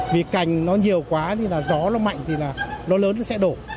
vì cành nó nhiều quá thì gió nó mạnh thì nó lớn nó sẽ đổ